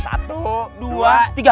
satu dua tiga